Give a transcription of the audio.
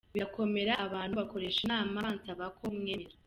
Birakomera abantu bakoresha inama bansaba ko mwemerera.